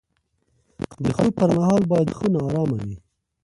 د خوب پر مهال باید خونه ارامه وي.